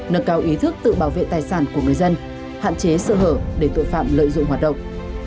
nâng cao ý thức tự bảo vệ tài sản của người dân hạn chế sơ hở để tội phạm lợi dụng hoạt động